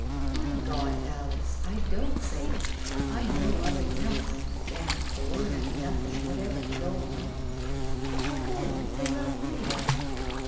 " My God, Alice 1 I don't say it ! I know well enough I am a d d fool and have nothing whatever to go on." "A fool to love me?"